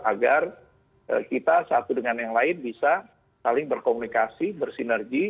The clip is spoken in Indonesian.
agar kita satu dengan yang lain bisa saling berkomunikasi bersinergi